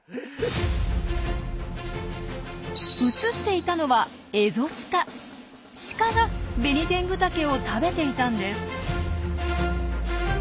写っていたのはシカがベニテングタケを食べていたんです！